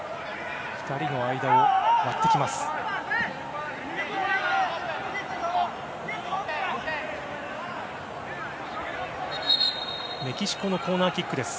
２人の間を割ってきます。